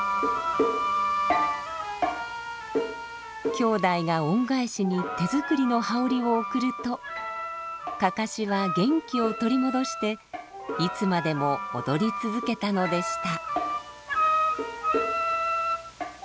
きょうだいが恩返しに手作りの羽織を贈るとかかしは元気を取り戻していつまでも踊り続けたのでした。